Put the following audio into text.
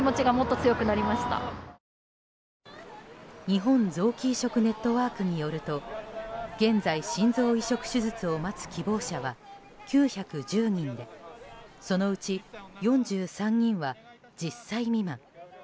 日本臓器移植ネットワークによると現在、心臓移植手術を待つ希望者は９１０人でそのうち４３人は１０歳未満。